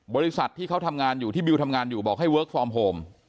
บริษัทที่เขาทำงานอยู่ที่บิวทำงานอยู่บอกให้เวิร์คฟอร์มโฮม